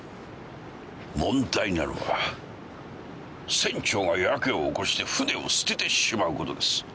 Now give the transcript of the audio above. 問題なのは船長がやけを起こして船を捨ててしまうことです。